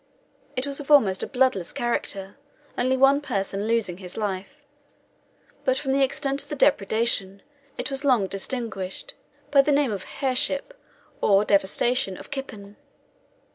It was of almost a bloodless character, only one person losing his life; but from the extent of the depredation, it was long distinguished by the name of the Her' ship, or devastation, of Kippen.